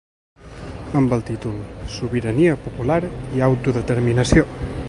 Amb el títol Sobirania popular i autodeterminació.